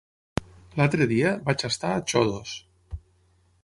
L'altre dia vaig estar a Xodos.